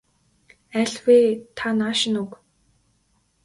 Аль вэ та нааш нь өг.